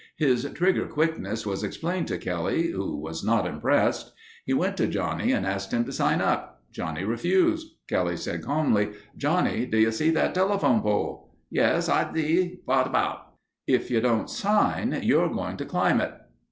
His trigger quickness was explained to Kelly who was not impressed. He went to Johnny and asked him to sign up. Johnny refused. Kelly said calmly, "Johnny, do you see that telephone pole?" "Yes, I see. Vot about?" "If you don't sign, you're going to climb it."